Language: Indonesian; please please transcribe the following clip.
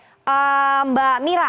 oke mbak mira